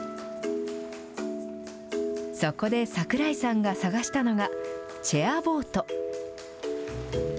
そこで櫻井さんが探したのが、チェアボート。